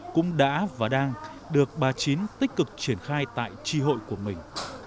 cũng đã và đang được bà chín tích cực triển khai tại tri hội của mình